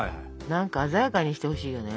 何か鮮やかにしてほしいよね。